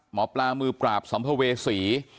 หมอปลามือปราบสัมภเวษี